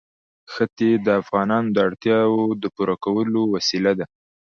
ښتې د افغانانو د اړتیاوو د پوره کولو وسیله ده.